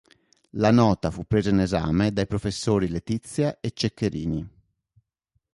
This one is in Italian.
La nota fu presa in esame dai professori Letizia e Ceccherini.